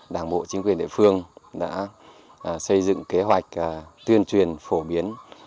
đảng bộ chính quyền địa phương đã xây dựng kế hoạch tuyên truyền phổ biến